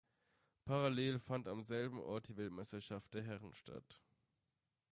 Parallel fand am selben Ort die Weltmeisterschaft der Herren statt.